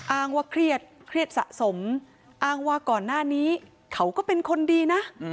อ้างว่าเครียดเครียดสะสมอ้างว่าก่อนหน้านี้เขาก็เป็นคนดีนะ